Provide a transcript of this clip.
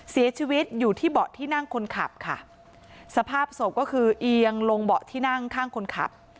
เสียชีวิตอยู่ที่เบาะที่นั่งคนขับค่ะสภาพศพก็คือเอียงลงเบาะที่นั่งข้างคนขับ